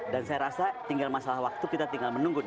dan saya rasa tinggal masalah waktu kita tinggal menunggu